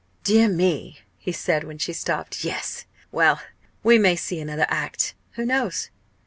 "Dear me!" he said, when she stopped. "Yes well we may see another act. Who knows?